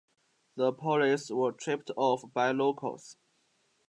The police were tipped of by locals.